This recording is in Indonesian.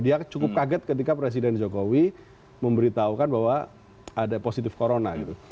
dia cukup kaget ketika presiden jokowi memberitahukan bahwa ada positif corona gitu